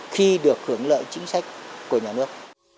khi được hướng lợi chính sách của nhà nước